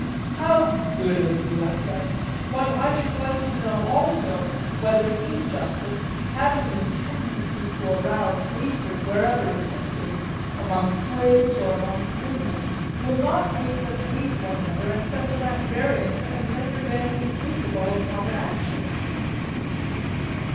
How good of you, I said; but I should like to know also whether injustice, having this tendency to arouse hatred, wherever existing, among slaves or among freemen, will not make them hate one another and set them at variance and render them incapable of common action?